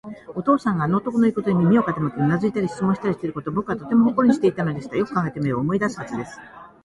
お父さんがあの男のいうことに耳を傾け、うなずいたり、質問したりしていることを、ぼくはとても誇りにしたのでした。よく考えてみれば、思い出すはずです。